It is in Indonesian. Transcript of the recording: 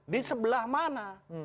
di sebelah mana